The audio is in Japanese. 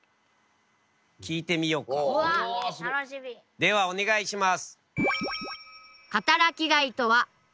ではお願いします。